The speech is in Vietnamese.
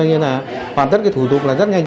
hoàn tất thủ tục rất nhanh